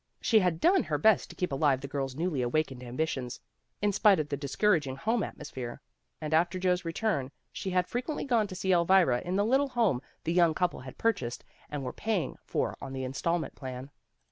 She had done her best to keep alive the girl 's newly awakened ambitions, in spite of the discouraging home atmosphere. And after Joe's return she had frequently gone to see Elvira in the little home the young couple had purchased, and were pay ing for on the installment plan.